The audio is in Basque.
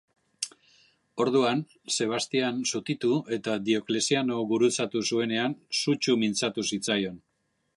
Orduan, Sebastian zutitu eta Diokleziano gurutzatu zuenean sutsu mintzatu zitzaion.